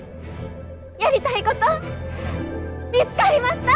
やりたいこと見つかりました！